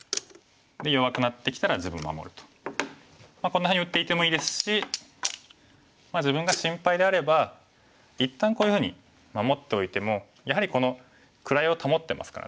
こんなふうに打っていてもいいですし自分が心配であれば一旦こういうふうに守っておいてもやはりこの位を保ってますからね。